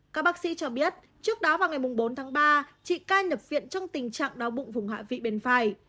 các bác sĩ cho biết trước đó vào ngày bốn tháng ba chị cai nhập viện trong tình trạng đau bụng vùng hạ vị bên phải